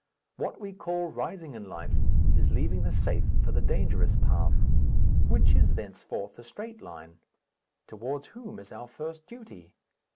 What we call rising in life is leaving the safe for the dangerous path. Which is, thenceforth, the straight line? Towards whom is our first duty?